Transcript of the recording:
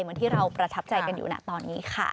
เหมือนที่เราประทับใจกันอยู่นะตอนนี้ค่ะ